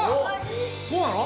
そうなの？